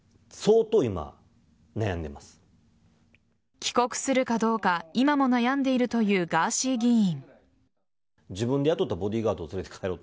帰国するかどうか今も悩んでいるというガーシー議員。